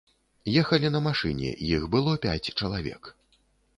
Ехалі на машыне, іх было пяць чалавек.